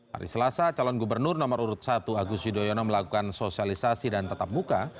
hari selasa calon gubernur nomor urut satu agus yudhoyono melakukan sosialisasi dan tetap muka